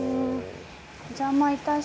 お邪魔いたします。